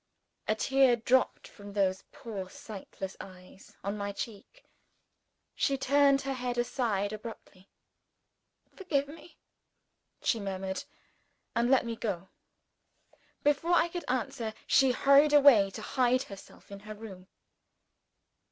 A tear dropped from those poor sightless eyes on my cheek. She turned her head aside abruptly. "Forgive me," she murmured, "and let me go." Before I could answer, she hurried away to hide herself in her room.